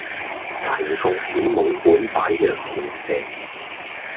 齊共起舞款擺若條蛇